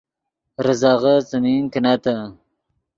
ریزغے څیمین کینتّے